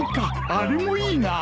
あれもいいな。